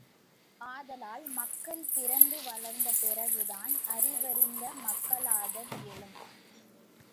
ஆதலால் மக்கள் பிறந்து வளர்ந்த பிறகுதான் அறிவறிந்த மக்களாதல் இயலும்.